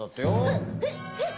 えっえっえっ。